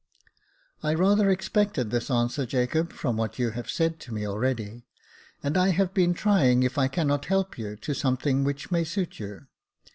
" I rather expected this answer, Jacob, from what you have said to me already ; and I have been trying if I cannot help you to something which may suit you.